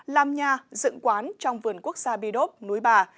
làm nhà dựng quán trong vườn quốc gia bidop núi bà